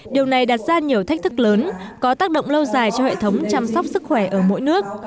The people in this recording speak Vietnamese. điều này đặt ra nhiều thách thức lớn có tác động lâu dài cho hệ thống chăm sóc sức khỏe ở mỗi nước